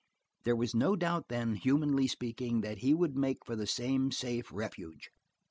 There was no doubt, then, humanly speaking, that he would make for the same safe refuge.